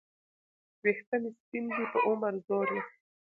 وېښته مي سپین دي په عمر زوړ یم